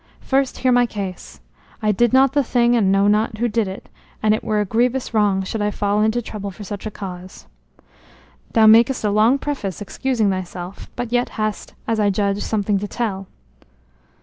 "First hear my case. I did not the thing and know not who did it, and it were a grievous wrong should I fall into trouble for such a cause." "Thou makest a long preface, excusing thyself, but yet hast, as I judge, something to tell."